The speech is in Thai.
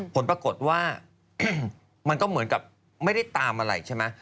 ผลปรากฏว่ามันก็เหมือนกับไม่ได้ตามอะไรใช่ไหม